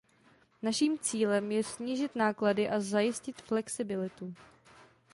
Naším cílem je snížit náklady a zajistit flexibilitu.